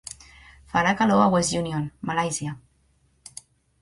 Farà calor a West Union, Malàisia